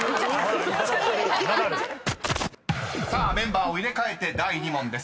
［さあメンバーを入れ替えて第２問です］